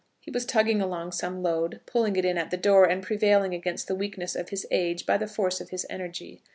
He was tugging along some load, pulling it in at the door, and prevailing against the weakness of his age by the force of his energy.